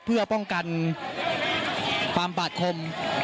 เพื่อป้องกันความบาดคม